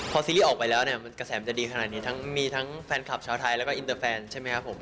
พอซีรีส์ออกไปแล้วเนี่ยกระแสมันจะดีขนาดนี้ทั้งมีทั้งแฟนคลับชาวไทยแล้วก็อินเตอร์แฟนใช่ไหมครับผม